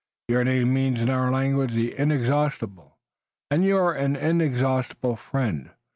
Your name means in our language, 'The Inexhaustible' and you're an inexhaustible friend.